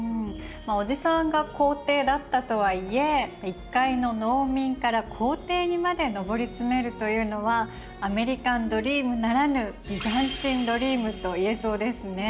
まあおじさんが皇帝だったとはいえ一介の農民から皇帝にまで上り詰めるというのはアメリカンドリームならぬといえそうですね。